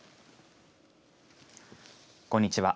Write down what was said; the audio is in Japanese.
こんにちは。